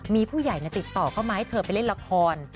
มีผู้ใหญ่ติดต่อเข้ามาให้เธอไปเล่นละคร